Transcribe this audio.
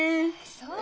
そう。